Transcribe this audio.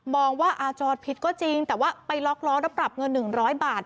ว่าอาจอดผิดก็จริงแต่ว่าไปล็อกล้อแล้วปรับเงิน๑๐๐บาท